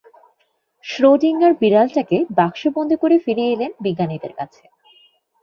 Schrödinger বিড়ালটাকে বাক্সে বন্দী করে ফিরে এলেন বিজ্ঞানীদের কাছে।